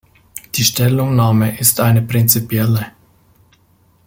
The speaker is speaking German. Die Stellungnahme ist eine prinzipielle.